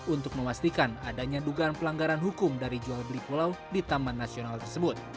untuk memastikan adanya dugaan pelanggaran hukum dari jual beli pulau di taman nasional tersebut